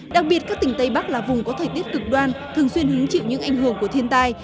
đặc biệt các tỉnh tây bắc là vùng có thời tiết cực đoan thường xuyên hứng chịu những ảnh hưởng của thiên tai